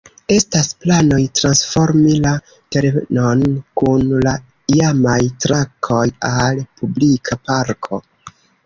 Estas planoj transformi la terenon kun la iamaj trakoj al publika parko.